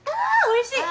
おいしい！